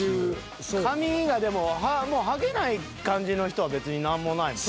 髪がでももうハゲない感じの人は別に何もないもん。